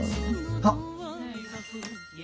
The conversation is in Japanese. あっ。